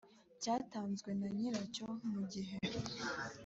cyatanzwe na nyiracyo mu gihe